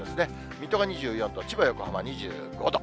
水戸が２４度、千葉、横浜２５度。